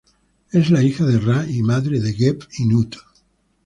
Es la hija de Ra y madre de Geb y Nut.